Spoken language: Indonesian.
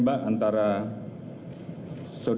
baik baik saja itu bisa dikejar oleh masyarakat